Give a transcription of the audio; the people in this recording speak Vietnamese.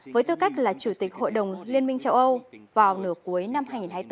với tư cách là chủ tịch hội đồng liên minh châu âu vào nửa cuối năm hai nghìn hai mươi bốn